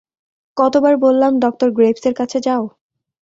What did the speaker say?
কতবার বললাম ডঃ গ্রেইভসের কাছে যাও।